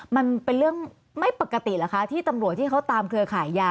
มันเป็นเรื่องไม่ปกติเหรอคะที่ตำรวจที่เขาตามเครือขายยา